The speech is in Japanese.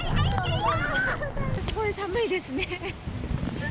すごい寒いですね。